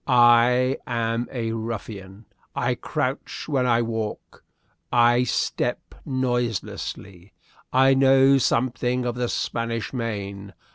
I am a ruffian. I crouch when I walk. I step noiselessly. I know something of the Spanish Main.